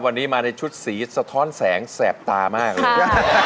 วันนี้มาในชุดสีสะท้อนแสงแสบตามากเลย